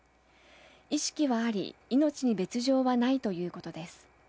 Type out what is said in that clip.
意識はあり命に別条はないということです。